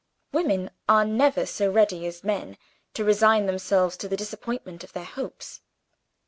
Women are never so ready as men to resign themselves to the disappointment of their hopes.